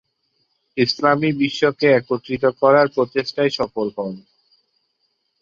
ইসলামী বিশ্বকে একত্রিত করার প্রচেষ্টায় সফল হন।